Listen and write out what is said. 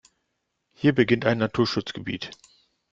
Hier beginnt ein Naturschutzgebiet.